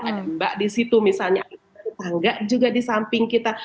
ada mbak di situ misalnya ada tetangga juga di samping kita